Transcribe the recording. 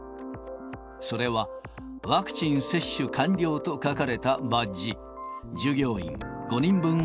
それは、ワクチン接種完了と書かれたバッジ。